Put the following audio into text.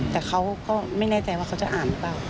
แต่เขาก็ไม่แน่ใจว่าเขาจะอ่านหรือเปล่า